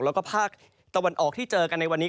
แล้วก็ภาคตะวันออกที่เจอกันในวันนี้